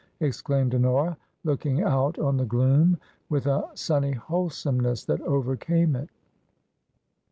ex claimed Honora, looking out on the gloom with a sunny wholesomeness that overcame it.